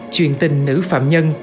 chuyện tình nữ phạm nhân